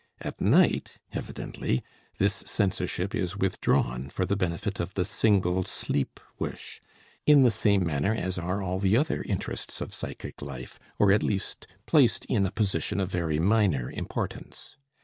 At night, evidently, this censorship is withdrawn for the benefit of the single sleep wish, in the same manner as are all the other interests of psychic life, or at least placed in a position of very minor importance.